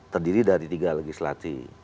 terdiri dari tiga legislasi